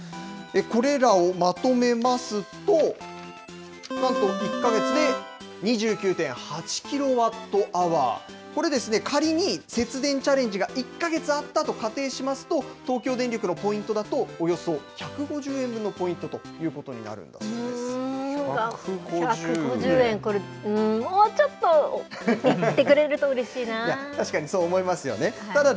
これらをまとめますと、なんと１か月で２９．８キロワットアワー、これですね、仮に節電チャレンジが１か月あったと仮定しますと、東京電力のポイントだとおよそ１５０円分のポイントということに１５０円、これ、もうちょっといってくれるとうれしいなー。